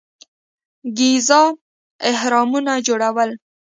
ګیزا اهرامونه جوړول.